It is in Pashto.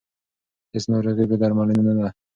هیڅ ناروغي بې درملنې نه ده.